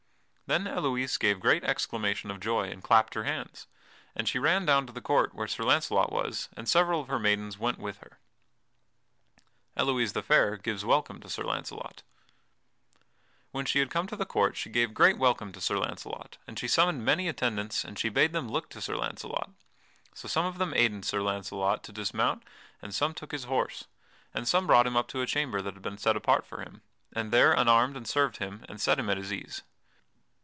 Then Elouise gave great exclamation of joy, and clapped her hands. And she ran down to the court where Sir Launcelot was, and several of her maidens went with her. [Sidenote: Elouise the Fair gives welcome to Sir Launcelot] When she had come to the court she gave great welcome to Sir Launcelot, and she summoned many attendants and she bade them look to Sir Launcelot. So some of them aided Sir Launcelot to dismount and some took his horse, and some brought him up to a chamber that had been set apart for him, and there unarmed and served him, and set him at his ease.